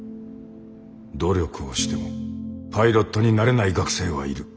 努力をしてもパイロットになれない学生はいる。